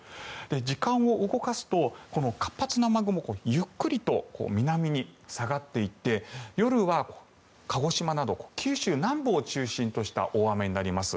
時間を動かすと、この活発な雨雲ゆっくりと南に下がっていって夜は鹿児島など九州南部を中心とした大雨になります。